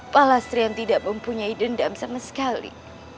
palaster yang tidak mempunyai dendam sama sekali